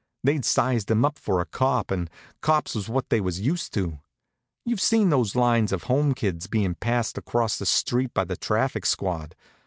They'd sized him up for a cop, and cops was what they was used to. You've seen those lines of Home kids bein' passed across the street by the traffic squad?